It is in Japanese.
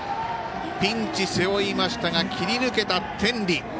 ピンチ背負いましたが切り抜けた天理。